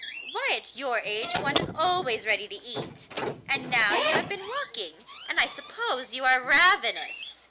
Why, at your age one is always ready to eat; and now you have been walking, and I suppose you are ravenous?